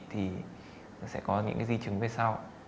thì sẽ có những di chứng về sau